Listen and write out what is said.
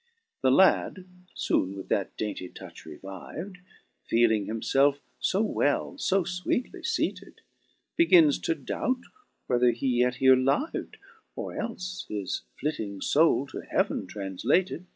2. The lad, foone with that dainty touch reviv'd, Feeling himfelfe fo well, fo fweetly feated. Begins to doubt whether he yet here liv*d. Or elfe his flitting foul, to heav'n tranflated.